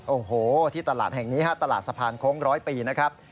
โอ้โหที่ตลาดแห่งนี้ฮะตลาดสะพานโค้งร้อยปีนะครับ